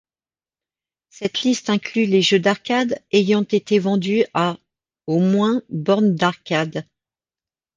Cette liste inclut les jeux d'arcade ayant été vendus à au moins bornes d'arcade.